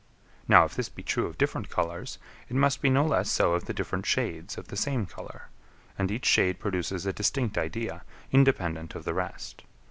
Now if this be true of different colours, it must be no less so of the different shades of the same colour; and each shade produces a distinct idea, independent of the rest.